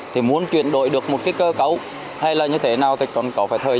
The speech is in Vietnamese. thì muốn chuyển đổi được một cái cơ cấu hay là như thế nào thì còn có phải thời